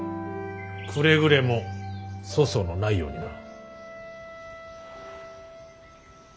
くれぐれも粗相のないようにな。